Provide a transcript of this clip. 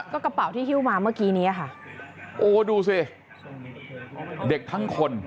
ก็กระเป๋าที่ฮิ้วมาเมื่อกี้นี้ค่ะโอ้ดูสิเด็กทั้งคน